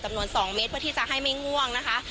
จำนวน๒เมตรเพื่อที่จะให้ไม่ง่วงนะคะ